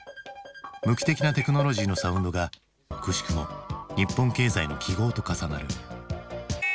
無機的なテクノロジーのサウンドがくしくも日本経済の記号と重なる。